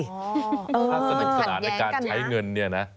ถ้าสนุกสนานในการใช้เงินเนี่ยนะ